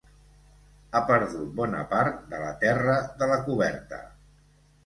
Ha perdut bona part de la terra de la coberta.